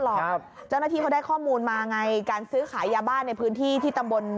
โต๊ะหน้าที่ก็ได้ข้อมูลมาอย่างไรการซื้อขายยาบ้านในพื้นที่ที่ตำบล